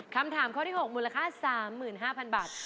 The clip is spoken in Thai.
คำถามข้อที่๖มูลค่า๓๕๐๐๐บาท